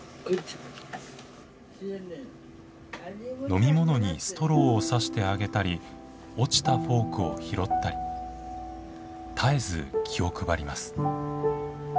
飲み物にストローをさしてあげたり落ちたフォークを拾ったり絶えず気を配ります。